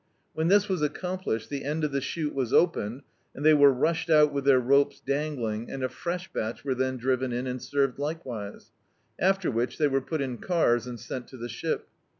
When this was accomplished, the end of the shoot was opened, and they were rushed out with their ropes dangling, and a fresh batch were then driven in and served likewise. After which they were put in cars and sent to the ship.